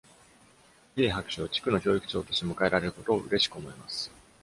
ケリー博士を地区の教育長として迎えられることを嬉しく思います。